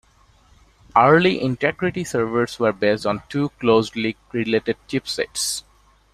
Early Integrity servers were based on two closely related chipsets.